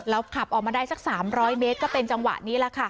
แล้วขับออกมาได้สัก๓๐๐เมตรก็เป็นจังหวะนี้แหละค่ะ